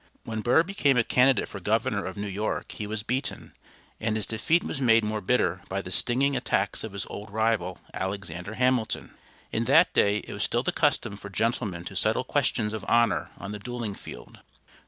When Burr became a candidate for Governor of New York he was beaten, and his defeat was made more bitter by the stinging attacks of his old rival, Alexander Hamilton. In that day it was still the custom for gentlemen to settle questions of honor on the dueling field.